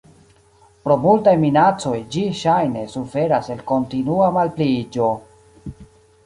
Pro multaj minacoj ĝi ŝajne suferas el kontinua malpliiĝo.